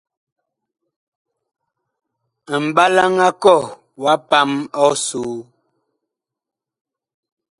Mɓalaŋ a kɔh wa pam ɔsoo.